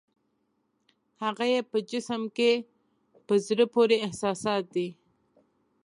هغه یې په جسم کې په زړه پورې احساسات دي.